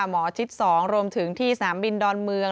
หมอชิด๒รวมถึงที่สนามบินดอนเมือง